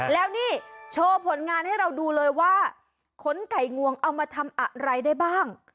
แล้วนี่โชว์ผลงานให้เราดูเลยว่าขนไก่งวงเอามาทำอะไรได้บ้าง